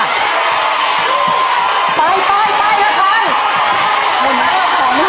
มันก็ไม่มีพอแล้ว